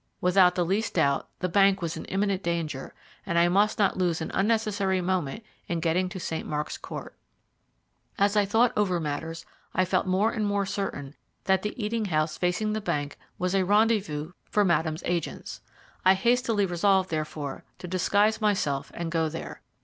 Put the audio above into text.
Without the least doubt, the bank was in imminent danger, and I must not lose an unnecessary moment in getting to St. Mark's Court. As I thought over matters I felt more and more certain that the eating house facing the bank was a rendezvous for Madame's agents. I hastily resolved, therefore, to disguise myself and go there.